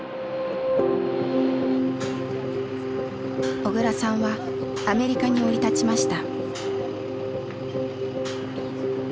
小倉さんはアメリカに降り立ちました。